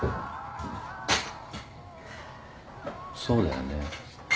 そうだよね。